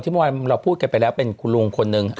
เมื่อวานเราพูดกันไปแล้วเป็นคุณลุงคนหนึ่ง